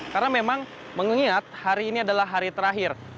karena memang mengingat hari ini adalah hari terakhir